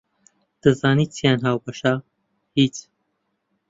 دەزانیت چیان هاوبەشە؟ هیچ!